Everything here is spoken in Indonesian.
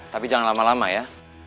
tapi jangan lama lama ya